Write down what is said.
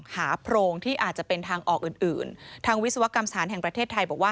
โพรงที่อาจจะเป็นทางออกอื่นอื่นทางวิศวกรรมสถานแห่งประเทศไทยบอกว่า